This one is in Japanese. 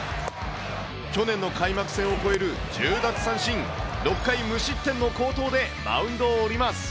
去年の開幕戦を超える１０奪三振、６回無失点の好投で、マウンドを降ります。